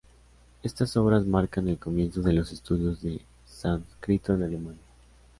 Estas obras marcan el comienzo de los estudios de sánscrito en Alemania.